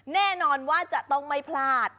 แน่นอนว่าจะต้องไม่พลาด